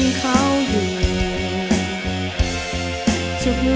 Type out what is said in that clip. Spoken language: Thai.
แล้วใจของเธอจะเปลี่ยนไป